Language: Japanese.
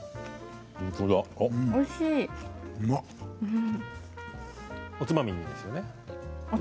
おつまみにいいですよね。